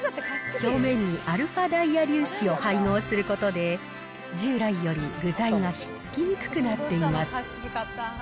表面にαダイヤ粒子を配合することで、従来より具材が引っ付きにくくなっています。